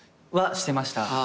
してました。